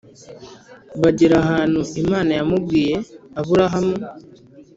Bagera ahantu imana yamubwiye aburahamu